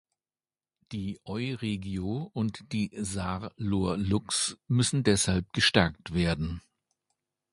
Die Euregio und die SaarLorLux müssen deshalb gestärkt werden.